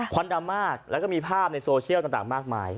ควันดำมากแล้วก็มีภาพในโซเชียลต่างมากมาย